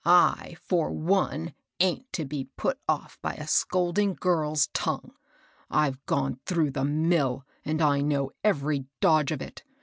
I^ for one, aint to be put oflF by a scolding girl's tongue, — Pve gone through the mill, and I know every dodge of it.